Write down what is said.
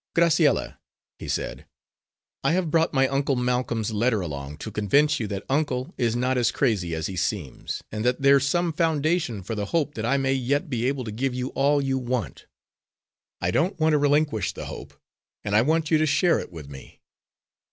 "Graciella," he said, "I have brought my uncle Malcolm's letter along, to convince you that uncle is not as crazy as he seems, and that there's some foundation for the hope that I may yet be able to give you all you want. I don't want to relinquish the hope, and I want you to share it with me."